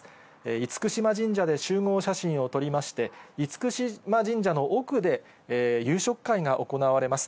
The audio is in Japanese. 厳島神社で集合写真を撮りまして、厳島神社の奥で夕食会が行われます。